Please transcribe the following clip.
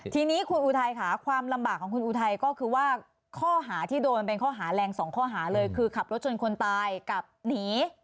ทีนี้คุณอุทัยค่ะความลำบากของคุณอุทัยก็คือว่าข้อหาที่โดนเป็นข้อหาแรงสองข้อหาเลยคือขับรถชนคนตายกับหนี